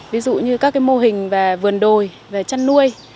ví dụ như các mô hình về vườn đồi về chăn nuôi